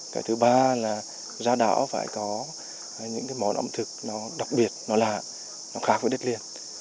cái thứ ba là ra đảo phải có những món ẩm thực đặc biệt nó lạ nó khác với đất liền